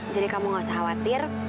jadi kamu gak usah khawatir